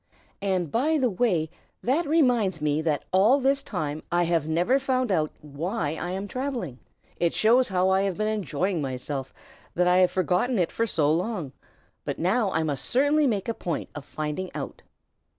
And, by the way, that reminds me that all this time I have never found out why I am travelling. It shows how I have been enjoying myself, that I have forgotten it so long; but now I must certainly make a point of finding out.